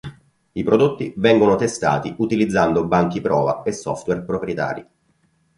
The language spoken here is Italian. I prodotti vengono testati utilizzando banchi prova e software proprietari.